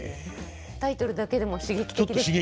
タイトルだけでも刺激的ですね。